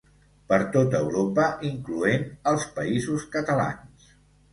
Per tota Europa incloent els Països Catalans.